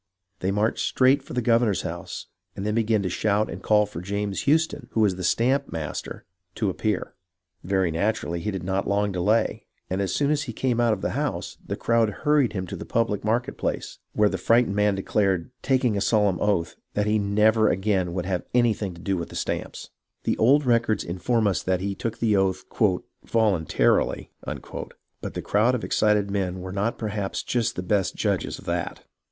They marched straight for the governor's house and then began to shout and call for James Houston, who was the stamp master, to appear. Very naturally he did not long delay, and as soon as he came out of the house, the crowd hurried him to the pubhc market place, where the frightened man declared, taking a solemn oath, that he never again would have anything to do with stamps. 24 HISTORY OF THE AMERICAN REVOLUTION The old records inform us that he took the oath " vol untarily," but the crowd of excited men were not perhaps just the best judges of that.